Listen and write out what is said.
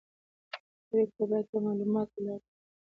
پرېکړې باید پر معلوماتو ولاړې وي